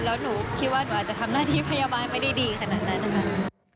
แล้วหนูคิดว่าหนูอาจจะทำหน้าที่พยาบาลไม่ได้ดีขนาดนั้นนะคะ